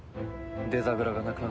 デザグラがなくなっても。